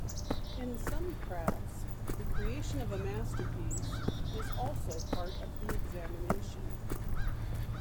In some crafts, the creation of a masterpiece is also part of the examination.